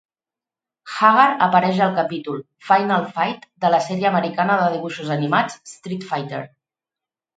Haggar apareix al capítol "Final Fight" de la sèrie americana de dibuixos animats "Street Fighter".